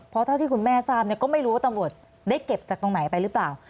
เพราะเท่าที่คุณแม่ทราบเนี่ยก็ไม่รู้ว่าตำรวจได้เก็บจากตรงไหนไปหรือเปล่า